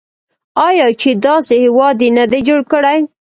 آیا چې داسې هیواد یې نه دی جوړ کړی؟